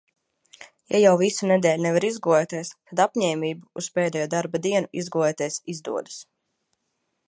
Ja jau visu nedēļu nevar izgulēties, tad apņēmība uz pēdējo darba dienu izgulēties izdodas.